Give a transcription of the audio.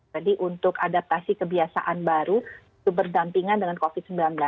jadi untuk adaptasi kebiasaan baru berdampingan dengan covid sembilan belas